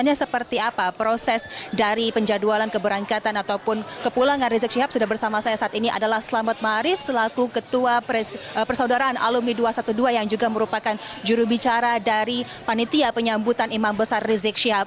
jadi apa proses dari penjadualan keberangkatan ataupun kepulangan rizik sihab sudah bersama saya saat ini adalah selamat marif selaku ketua persaudaraan alumni dua ratus dua belas yang juga merupakan jurubicara dari panitia penyambutan imam besar rizik sihab